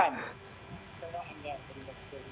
angga dari mabes polri